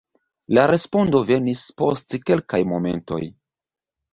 La respondo venis post kelkaj momentoj: